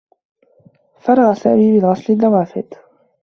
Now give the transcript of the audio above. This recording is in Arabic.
فرغ سامي من غسل النّوافذ.